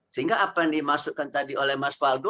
sehingga apa yang dimaksudkan tadi oleh mas waldo